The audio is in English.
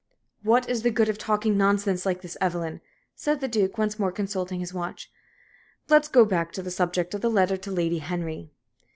"What is the good of talking nonsense like this, Evelyn?" said the Duke, once more consulting his watch. "Let's go back to the subject of my letter to Lady Henry."